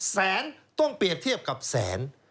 แสนต้องเปรียบเทียบกับแสน